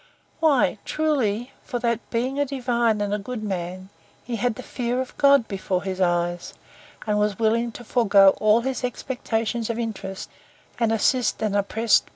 Why, truly, for that, being a divine, and a good man, he had the fear of God before his eyes, and was willing to forego all his expectations of interest, and assist an oppressed poor creature.